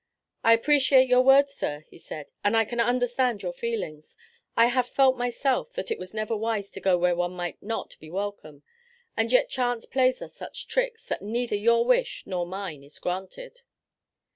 "I appreciate your words, sir," he said, "and I can understand your feelings. I have felt myself that it was never wise to go where one might not be welcome, and yet chance plays us such tricks that neither your wish nor mine is granted."